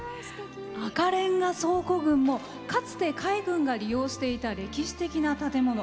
赤れんが倉庫群もかつて海軍が利用していた歴史的な建物。